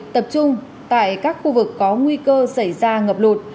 tập trung tại các khu vực có nguy cơ xảy ra ngập lụt